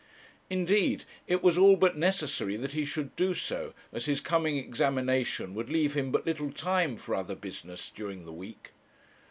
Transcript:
Indeed, it was all but necessary that he should do so, as his coming examination would leave him but little time for other business during the week.